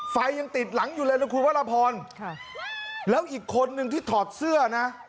ยังติดหลังอยู่เลยนะคุณวรพรค่ะแล้วอีกคนนึงที่ถอดเสื้อนะ